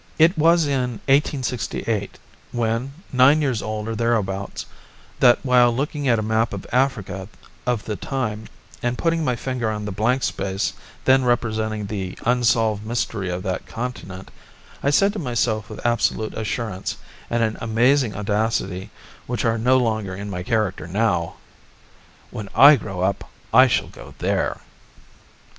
It was in 1868, when nine years old or thereabouts, that while looking at a map of Africa of the time and putting my finger on the blank space then representing the unsolved mystery of that continent, I said to myself with absolute assurance and an amazing audacity which are no longer in my character now: "When I grow up I shall go there."